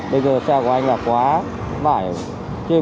bây giờ xe của anh là quá mải trên một trăm năm mươi